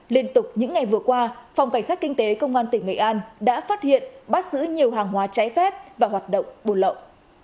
liên tục những ngày vừa qua phòng cảnh sát kinh tế công an tỉnh nghệ an đã phát hiện bắt giữ nhiều hàng hóa trái phép và hoạt động buôn lậu